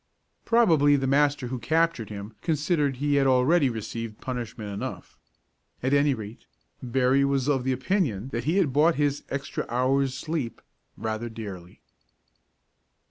Probably the master who captured him considered he had already received punishment enough. At any rate, Berry was of opinion that he had bought his extra hour's sleep rather dearly.